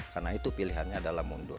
karena itu pilihannya adalah mundur